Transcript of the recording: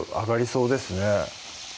そうですね